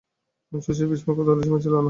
শশীর বিস্ময় ও কৌতূহলের সীমা ছিল না।